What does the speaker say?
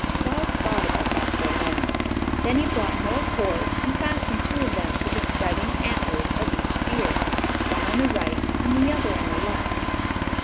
Claus thought about that for a moment. Then he brought more cords and fastened two of them to the spreading antlers of each deer, one on the right and the other on the left.